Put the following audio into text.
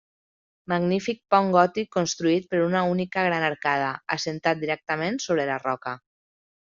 Magnífic pont gòtic constituït per una única gran arcada, assentat directament sobre la roca.